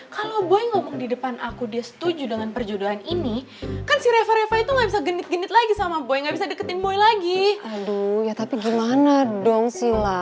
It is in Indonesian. kalau boy ngomong di depan aku dia setuju dengan perjodohan ini